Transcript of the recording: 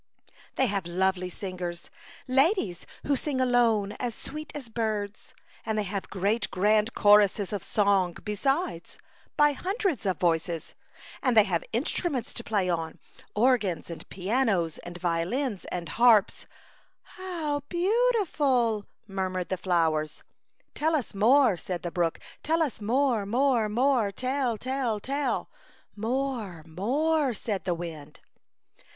''They have lovely singers — ladies who sing alone as sweet as birds, and they have great grand choruses of song besides, by hundreds of voices. And they have instruments 14 A Chautauqua Idyl. to play on, — organs and pianos, and violins and harps/' " How beautiful,'* murmured the flowers. "Tell us more," said the brook; "tell us more, more, more, — tell, tell, tell!" " More, more," said the wind.